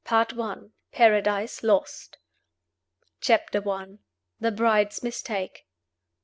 PART I. PARADISE LOST. CHAPTER I. THE BRIDE'S MISTAKE.